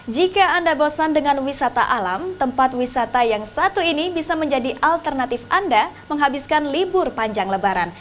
jika anda bosan dengan wisata alam tempat wisata yang satu ini bisa menjadi alternatif anda menghabiskan libur panjang lebaran